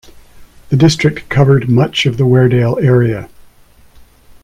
The district covered much of the Weardale area.